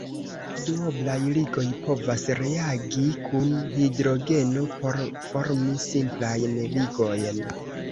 Duoblaj ligoj povas reagi kun hidrogeno por formi simplajn ligojn.